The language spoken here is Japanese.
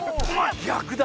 逆だ。